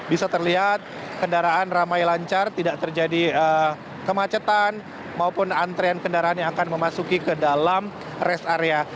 bisa terlihat kendaraan ramai lancar tidak terjadi kemacetan maupun antrean kendaraan yang akan memasuki ke dalam rest area